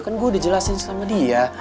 kan gue udah jelasin sama dia